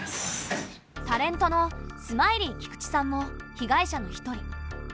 タレントのスマイリーキクチさんも被害者の１人。